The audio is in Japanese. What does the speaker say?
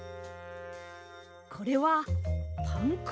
これはパンくず！